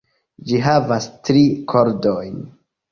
Ĝi havas tri kordojn.